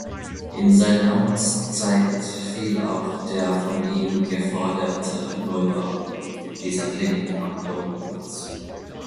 In seine Amtszeit fiel auch der von ihm geforderte Neubau dieser Klinik am Domplatz.